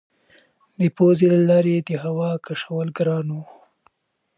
د پوزې له لارې یې د هوا کشول ګران وو.